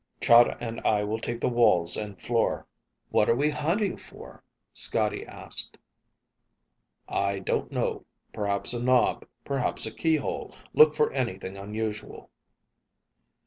Chahda and I will take the walls and floor." "What are we hunting for?" Scotty asked. "I don't know. Perhaps a knob, perhaps a keyhole. Look for anything unusual."